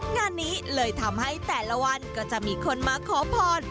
งานนี้เลยทำให้แต่ละวันก็จะมีคนมาขอพร